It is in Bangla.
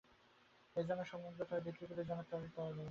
এ যেন সমুদ্র, আর বৃত্তিগুলি যেন এরই তরল।